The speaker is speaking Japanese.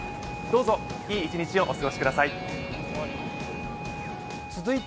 どうぞ、いい一日をお過ごしください。